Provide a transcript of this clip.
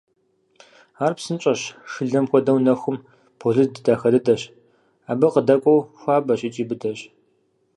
Ар псынщӀэщ, шылэм хуэдэу нэхум полыд, дахэ дыдэщ, абы къыдэкӀуэу хуабэщ икӀи быдэщ.